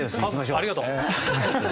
かず、ありがとう！